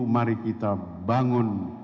mari kita bangun